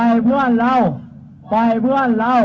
ก็วันนี้ที่เราแถลงนะครับเราตั้งใจจะเชิญชัวร์ร่านส่วนข้างบนที่นี่นะครับ